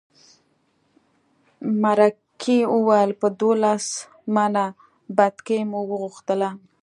مرکې وویل په دولس منه بتکۍ مو وغوښتله.